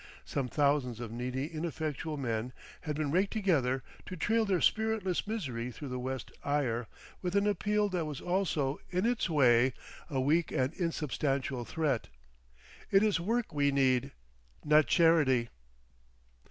Some thousands of needy ineffectual men had been raked together to trail their spiritless misery through the West Eire with an appeal that was also in its way a weak and insubstantial threat: "It is Work we need, not Charity."